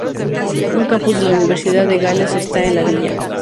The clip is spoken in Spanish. Un campus de la Universidad de Gales está en la villa.